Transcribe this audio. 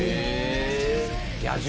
野獣。